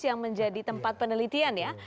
yang menjadi tempat penelitian ya